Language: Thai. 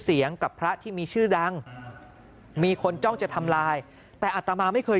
เสียงกับพระที่มีชื่อดังมีคนจ้องจะทำลายแต่อัตมาไม่เคย